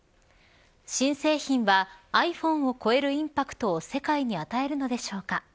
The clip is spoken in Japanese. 新製品は、ｉＰｈｏｎｅを超えるインパクトを世界に与えるのでしょうか。